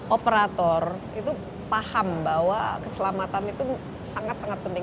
operator itu paham bahwa keselamatan itu sangat sangat penting